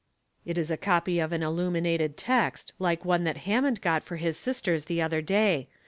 " It is a copy of an illuminated text, like one that Hammond got for his sisters the other day.